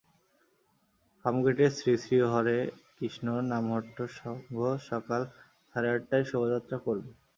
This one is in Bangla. ফার্মগেটের শ্রীশ্রী হরে কৃষ্ণ নামহট্ট সংঘ সকাল সাড়ে আটটায় শোভাযাত্রা করবে।